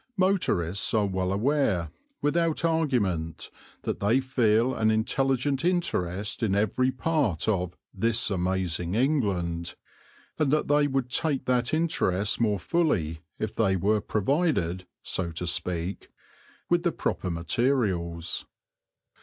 Motorists are well aware, without argument, that they feel an intelligent interest in every part of "this amazing England," and that they would take that interest more fully if they were provided, so to speak, with the proper materials.